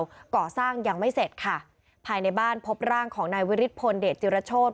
ก่อสร้างยังไม่เสร็จค่ะภายในบ้านพบร่างของนายวิริพลเดชจิรโชธ